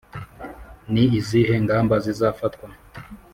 ni izihe ngamba zizafatwa